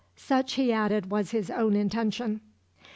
Such, he added, was his own intention.